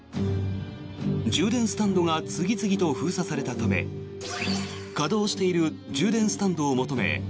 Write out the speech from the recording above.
充電スタンドが次々と封鎖されたため稼働している充電スタンドを求め